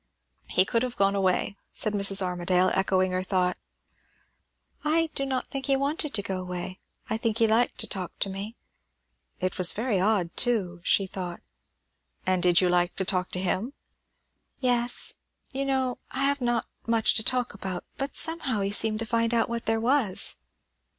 "He could have gone away," said Mrs. Armadale, echoing her thought. "I do not think he wanted to go away. I think he liked to talk to me." It was very odd too, she thought. "And did you like to talk to him?" "Yes. You know I hare not much to talk about; but somehow he seemed to find out what there was."